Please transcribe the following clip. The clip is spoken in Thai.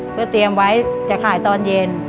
เพื่อเตรียมไว้จะขายตอนเย็น